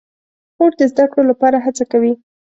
خور د زده کړو لپاره هڅه کوي.